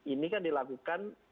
ini kan dilakukan